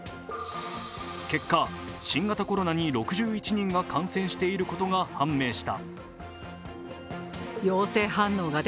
結果、新型コロナに６１人が感染していることが判明した。